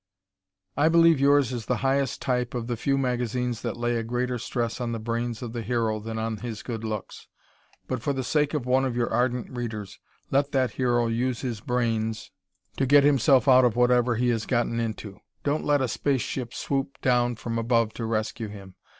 I believe yours is the highest type of the few magazines that lay a greater stress on the brains of the hero than on his good looks. But, for the sake of one of your ardent readers, let that hero use his brains to get himself out of whatever he has gotten into. Don't let a space ship swoop down from above to rescue him.